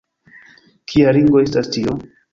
kia ringo estas tio?